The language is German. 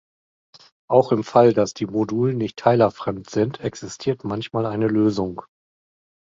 Auch im Fall, dass die Moduln nicht teilerfremd sind, existiert manchmal eine Lösung.